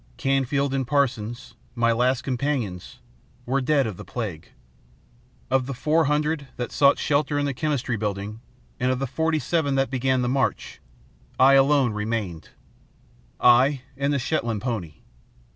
Canfield and Parsons, my last companions, were dead of the plague. Of the four hundred that sought shelter in the Chemistry Building, and of the forty seven that began the march, I alone remained I and the Shetland pony.